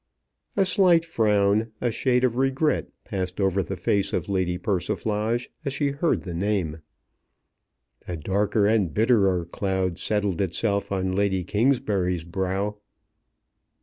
A slight frown, a shade of regret, passed over the face of Lady Persiflage as she heard the name. A darker and bitterer cloud settled itself on Lady Kingsbury's brow.